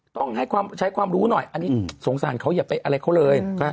ต้องให้ใช้ความรู้หน่อยอันนี้สงสารเขาอย่าไปอะไรเขาเลย